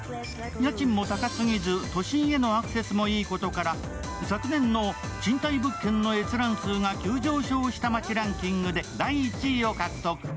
家賃も高すぎず都心へのアクセスもいいことから昨年の賃貸物件の閲覧数が急上昇した街ランキングで第１位を獲得。